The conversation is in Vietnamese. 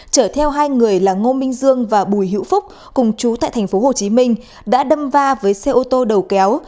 chở theo hai người là ngô minh dương và bùi hữu phúc cùng chú tại tp hcm đã đâm va với xe ô tô đầu kéo